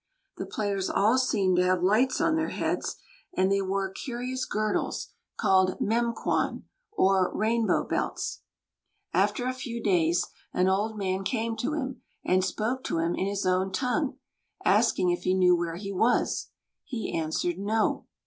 The players all seemed to have lights on their heads, and they wore curious girdles, called "Memquon," or Rainbow belts. After a few days, an old man came to him, and spoke to him in his own tongue, asking if he knew where he was. He answered: "No."